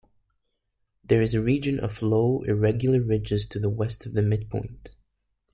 There is a region of low, irregular ridges to the west of the midpoint.